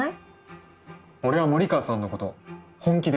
俺は森川さんのこと本気ですから。